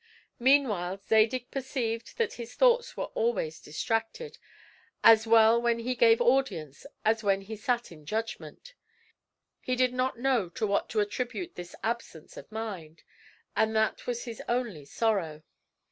Meanwhile Zadig perceived that his thoughts were always distracted, as well when he gave audience as when he sat in judgment. He did not know to what to attribute this absence of mind; and that was his only sorrow.